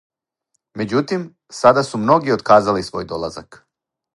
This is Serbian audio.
Међутим, сада су многи отказали свој долазак.